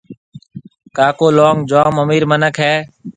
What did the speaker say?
ڪاڪو لونگ جوم امِير مِنک هيَ۔